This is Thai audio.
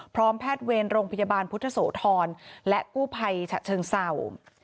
พร้อมแพทย์เวรโรงพยาบาลพุฒษโตทรและกู้ภัยฉะเชิงเซา